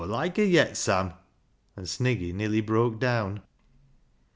Aw loike her yet, Sam," and Sniggy nearly broke down.